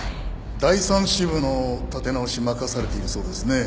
第３支部の立て直し任されているそうですね。